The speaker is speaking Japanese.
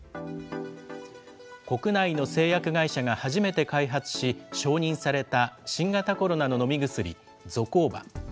国内の製薬会社が初めて開発し、承認された新型コロナの飲み薬、ゾコーバ。